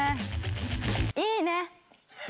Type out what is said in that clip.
「いいね」。